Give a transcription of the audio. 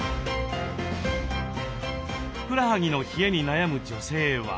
ふくらはぎの冷えに悩む女性は。